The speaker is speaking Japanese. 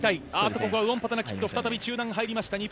ここはウオンパタナキット再び中段が入りました。